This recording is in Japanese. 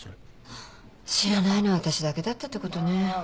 ハァ知らないのは私だけだったってことね。